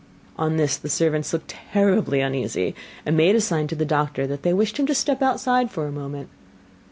On this the servants looked terribly uneasy, and made a sign to the doctor that they wished him to step outside for a moment.